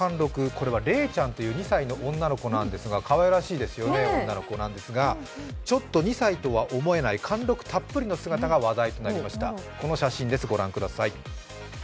これはれいちゃんという２歳の女の子でかわいらしい女の子なんですがちょっと２歳とは思えない貫禄たっぷりの姿が話題となりました。